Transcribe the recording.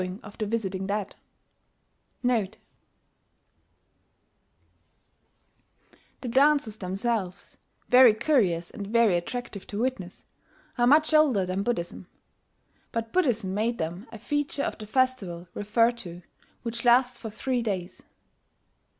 The dances themselves very curious and very attractive to witness are much older than Buddhism; but Buddhism made them a feature of the festival referred to, which lasts for three days.